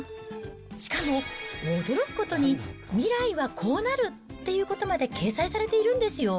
しかも驚くことに、未来はこうなるっていうことまで掲載されているんですよ。